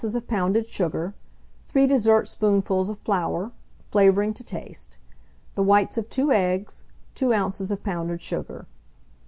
of pounded sugar, 3 dessertspoonfuls of flour, flavouring to taste; the whites of 2 eggs, 2 oz. of pounded sugar.